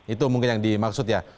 itu mungkin yang dimaksud ya